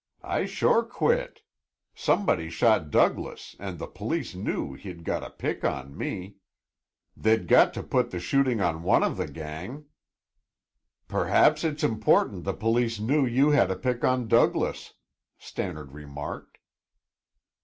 "I sure quit. Somebody shot Douglas and the police knew he'd got a pick on me. They'd got to put the shooting on one of the gang." "Perhaps it's important the police knew you had a pick on Douglas," Stannard remarked.